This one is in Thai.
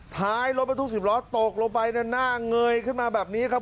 ท้ายรถบรรทุก๑๐ล้อตกลงไปหน้าเงยขึ้นมาแบบนี้ครับ